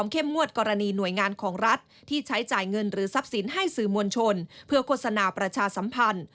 งวดกรณีหน่วยงานของรัฐที่ใช้จ่ายเงินหรือทรัพย์สินให้สื่อมวลชนเพื่อโฆษณาประชาสัมพันธ์